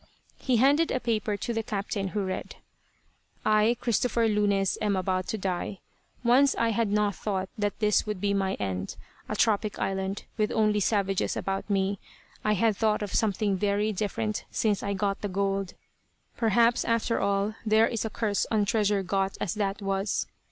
He handed a paper to the captain, who read: "I, Christopher Lunez, am about to die. Once I had not thought that this would be my end, a tropic island, with only savages about me. I had thought of something very different, since I got the gold. Perhaps, after all, there is a curse on treasure got as that was.